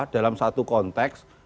dalam satu konteks